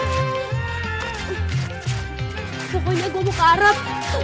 pokoknya gua buka arab